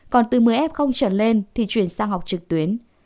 còn từ một mươi f trở lên thì chuyển sang học trực tuyến